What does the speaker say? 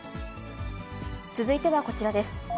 続いてはこちらです。